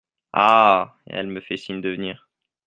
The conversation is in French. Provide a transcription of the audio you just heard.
Ah ! elle me fait signe de venir…